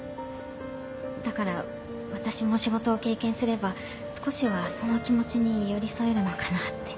だから私も仕事を経験すれば少しはその気持ちに寄り添えるのかなって。